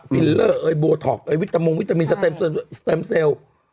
ฟิลเลอร์บวอท็อกวิตามีนสเต็มเซล